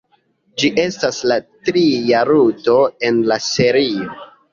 Ĝi estas la tria ludo en la serio.